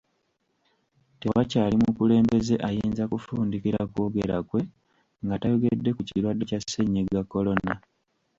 Tewakyali mukulembeze ayinza kufundikira kwogera kwe nga tayogedde ku kirwadde kya Ssennyiga Corona